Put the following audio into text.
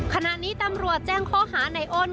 ขณะนี้ตำรวจแจ้งข้อหาในอ้น